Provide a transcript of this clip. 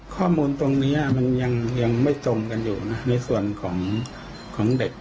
ข้อมูลตรงนี้มันยังไม่ตรงกันอยู่นะในส่วนของของเด็ก